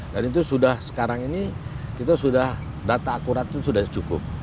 dan itu sudah sekarang ini data akurat itu sudah cukup